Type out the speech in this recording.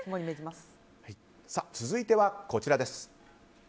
続いては、こちらです。